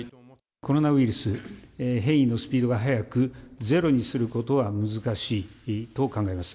コロナウイルス、変異のスピードが速く、ゼロにすることは難しいと考えます。